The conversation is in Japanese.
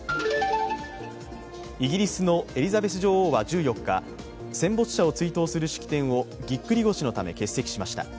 イギリスのエリザベス女王は１４日、戦没者を追悼する式典をぎっくり腰のため欠席しました。